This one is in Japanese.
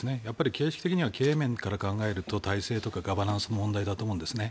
形式的には経営面から考えると体制とかガバナンスの問題だと思うんですね。